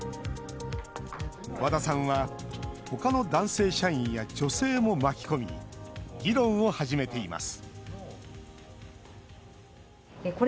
和田さんはほかの男性社員や女性も巻き込み議論を始めています